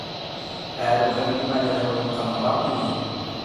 — Ә үҙең нимәнелер онотҡаның бармы ни?